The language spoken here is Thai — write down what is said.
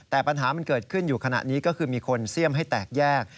แต่ปัญหามันเกิดขึ้นอยู่ขณะนี้ก็คือมีคนเสี่ยมให้แตกแยก